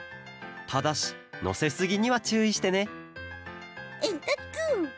ただしのせすぎにはちゅういしてねえんとつ！